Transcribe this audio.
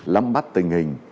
lắm bắt tình hình